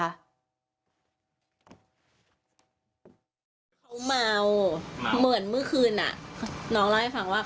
ใครจะมีพี่มันมีเมียกันหมดแล้ว